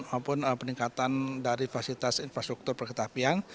maupun peningkatan dari fasilitas infrastruktur perketapian